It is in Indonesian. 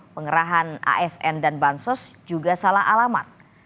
pengerahan asn dan bansos juga salah alamat